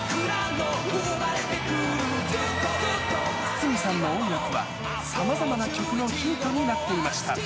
筒美さんの音楽は、さまざまな曲のヒントになっていました。